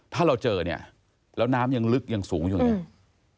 ถ้าเราเจอแล้วน้ำยังลึกยังสูงอยู่อย่างนี้